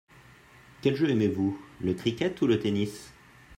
Quel jeu aimez-vous, le cricket ou le tennis ?